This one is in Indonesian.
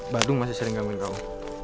badung masih sering gangguin kamu